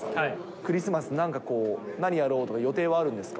クリスマス、なんか、何やろうとか、なんか予定はあるんですか。